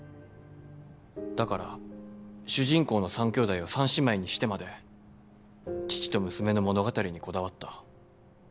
だから主人公の３兄弟を３姉妹にしてまで父と娘の物語にこだわった。